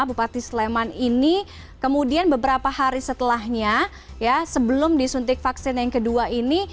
bupati sleman ini kemudian beberapa hari setelahnya ya sebelum disuntik vaksin yang kedua ini